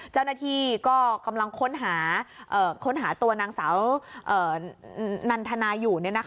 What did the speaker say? เจ้าหน้าที่ก็กำลังค้นหาค้นหาตัวนางสาวนันทนาอยู่